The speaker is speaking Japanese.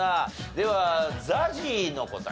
ではＺＡＺＹの答え。